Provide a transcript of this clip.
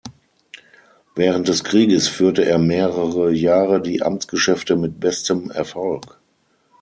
Während des Krieges führte er mehrere Jahre die Amtsgeschäfte mit bestem Erfolg.